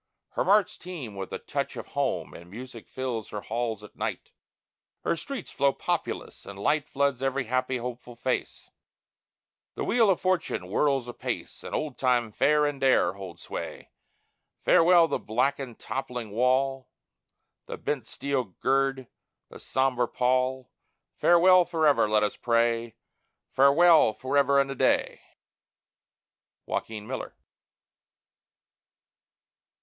Her marts teem with a touch of home And music fills her halls at night; Her streets flow populous, and light Floods every happy, hopeful face; The wheel of fortune whirls apace And old time fare and dare hold sway. Farewell the blackened, toppling wall, The bent steel gird, the sombre pall Farewell forever, let us pray; Farewell, forever and a day! JOAQUIN MILLER.